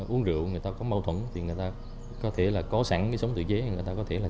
uống rượu người ta có mâu thuẫn thì người ta có thể là có sẵn cái sống tự chế thì người ta có thể là